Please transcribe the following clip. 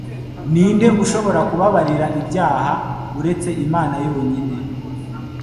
Ni nde ushobora kubabarira ibyaha, uretse Imana yonyine?»